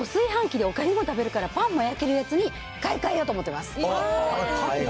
炊飯器でおかゆも食べるから、パンも焼けるやつに買い替えようと思ってます。